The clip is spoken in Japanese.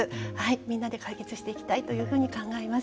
みんなで解決していきたいというふうに考えます。